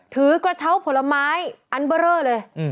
ถือกระเช้าผลไม้อันเบอร์เรอเลย